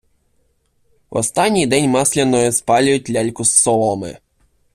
В останній день Масляної спалюють ляльку з соломи.